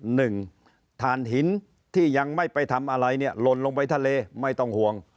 ฐานหินที่ยังไม่ไปทำอะไรเนี่ยหล่นลงไปทะเลไม่ต้องห่วง